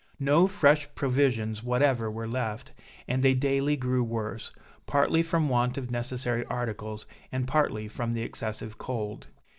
No fresh provisions whatever were left, and they daily grew worse, partly from want of necessary articles, and partly from the excessive cold.